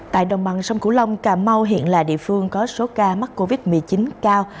tại đồng bằng sông cửu long cà mau hiện là địa phương có số ca mắc covid một mươi chín cao